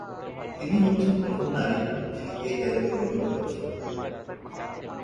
তিনি হচ্ছেন প্রথম নারী যিনি এই দায়িত্ব গ্রহণ করেছেন।